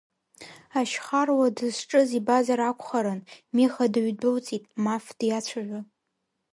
Ашьхаруа дызҿыз ибазар акәхарын, Миха дыҩдәылҵит, Маф диацәажәо.